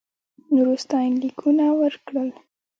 نورو ستاینلیکونه ورکړل.